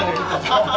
アハハハ！